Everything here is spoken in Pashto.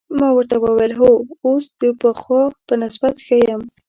ما ورته وویل: هو، اوس د پخوا په نسبت ښه یم.